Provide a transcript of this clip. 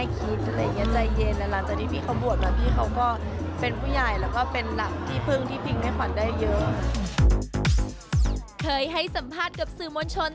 เคยให้สัมภาษณ์กับสื่อมวลชน